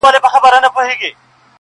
چي یې منکر دی هغه نادان دی،